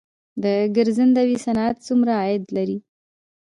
د ګرځندوی صنعت څومره عاید لري؟